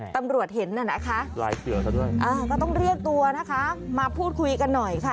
ตำรวจเห็นน่ะนะคะก็ต้องเรียกตัวนะคะมาพูดคุยกันหน่อยค่ะ